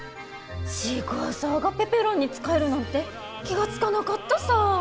シークワーサーがペペロンに使えるなんて気が付かなかったさぁ！